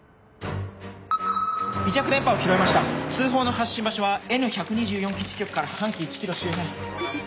微弱電波を拾いました通報の発信場所はＮ１２４基地局から半径１ｋｍ周辺。